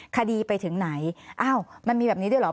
คดีไปถึงไหนอ้าวมันมีแบบนี้ด้วยเหรอ